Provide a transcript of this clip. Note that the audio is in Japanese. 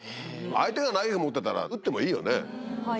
相手がナイフ持ってたら撃ってもいいよね。